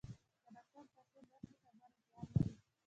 که ناسم تاثر ورکړې، خبره زیان لري